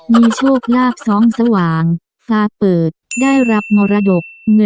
มีโชคลาภสองสว่างฟ้าเปิดได้รับมรดก